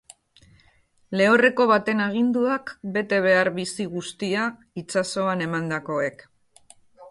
Lehorreko baten aginduak bete behar bizi guztia itsasoan emandakoek.